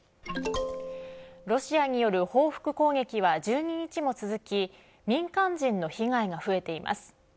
ロシアによる報復攻撃は１２日も続き民間人の被害が増えています。